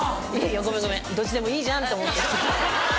ごめんごめんどっちでもいいじゃんって思って。